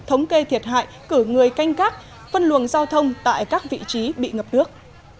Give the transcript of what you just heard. thống kê thiệt hại cử người canh tác phân luồng giao thông tại các vị trí bị ngập nước